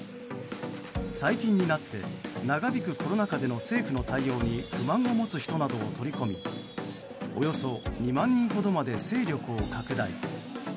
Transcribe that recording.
最近になって長引くコロナ禍での政府の対応に不満を持つ人などを取り込みおよそ２万人ほどまで勢力を拡大。